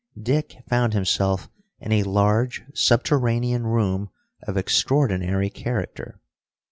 Dick found himself in a large subterranean room of extraordinary character.